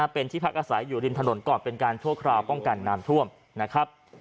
เป็นที่พักอาศัยอยู่ริมถนนก่อนเป็นการชั่วคราวป้องกันน้ำท่วมนะครับ